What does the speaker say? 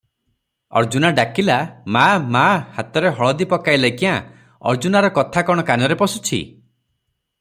ଅର୍ଜୁନା ଡାକିଲା, "ମା ମା, ଭାତରେ ହଳଦି ପକାଇଲେ କ୍ୟାଁ?" ଅର୍ଜୁନାର କଥା କଣ କାନରେ ପଶୁଛି?